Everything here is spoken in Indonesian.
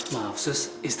makasih ya sus